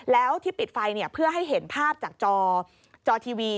แล้วที่ปิดไฟเพื่อให้เห็นภาพจากจอทีวี